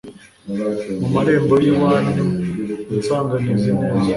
mu marembo y'iwanyu unsanganiza ineza